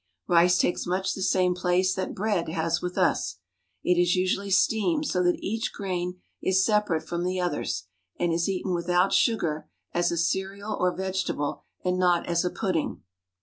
Rice takes much the same place that bread has with us. It is usually steamed so that each grain is separate from the others, and is eaten without sugar as a cereal or vegetable, and not as a pudding.